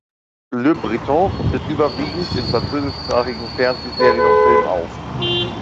Le Breton tritt überwiegend in französischsprachigen Fernsehserien und Filmen auf.